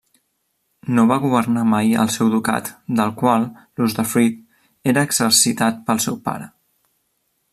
No va governar mai el seu ducat del qual l'usdefruit era exercitat pel seu pare.